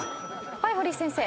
はい堀井先生。